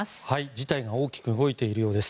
事態が大きく動いているようです。